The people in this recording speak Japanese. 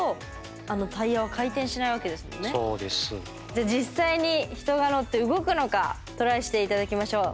じゃ実際に人が乗って動くのかトライして頂きましょう。